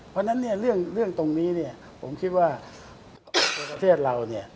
เพราะฉะนั้นเรื่องตรงนี้ผมคิดว่าประเทศเรา